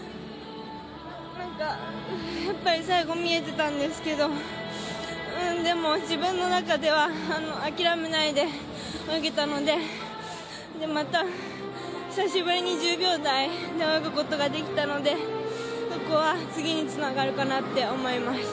なんか、やっぱり最後、見えてたんですけど、自分の中ではあきらめないで泳げたのでまた久しぶりに１０秒台で泳ぐことができたので、そこは次につながるかなと思います。